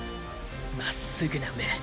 まっすぐな目